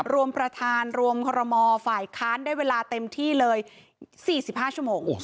รวมประธานรวมคอรมอฝ่ายค้านได้เวลาเต็มที่เลย๔๕ชั่วโมง